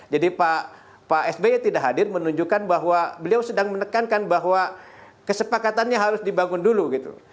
jadi pak sby tidak hadir menunjukkan bahwa beliau sedang menekankan bahwa kesepakatannya harus dibangun dulu gitu